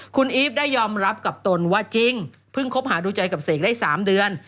คุณอีฟได้ยอมรับกับตนว่าจริงเพิ่งคบหาดูใจกับเสกได้๓เดือน